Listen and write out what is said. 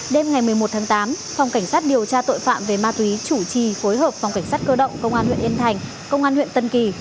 đêm ngày một mươi một tháng tám phòng cảnh sát điều tra tội phạm về ma túy chủ trì phối hợp phòng cảnh sát cơ động công an huyện yên thành công an huyện tân kỳ